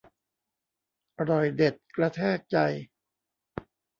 อร่อยเด็ดกระแทกใจ